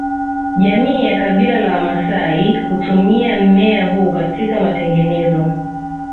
Jamii ya Kabila la Wamaasai hutumia mmea huu katika matengenezo